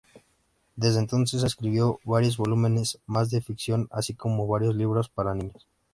Desde entonces, escribió varios volúmenes más de ficción, así como varios libros para niños.